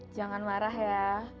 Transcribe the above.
jangan marah ya